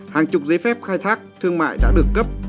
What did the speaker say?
hàng chục giấy phép khai thác thương mại đã được cấp